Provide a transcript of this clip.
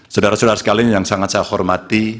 saudara saudara sekalian yang sangat saya hormati